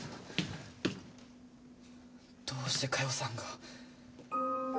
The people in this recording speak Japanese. どうして加代さんが。